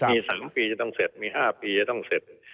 มี๓ปีจะต้องเสร็จมี๕ปีจะต้องเสร็จ